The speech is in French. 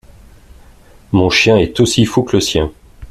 Mon chien est aussi fou que le sien.